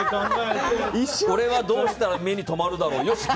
俺はどうしたら目に留まるだろう。